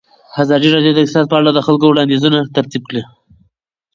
ازادي راډیو د اقتصاد په اړه د خلکو وړاندیزونه ترتیب کړي.